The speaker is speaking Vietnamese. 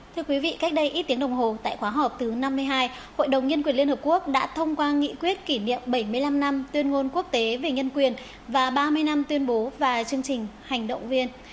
thưa quý vị cách đây ít tiếng đồng hồ tại khóa họp thứ năm mươi hai hội đồng nhân quyền liên hợp quốc đã thông qua nghị quyết kỷ niệm bảy mươi năm năm tuyên ngôn quốc tế về nhân quyền và ba mươi năm tuyên bố và chương trình hành động viên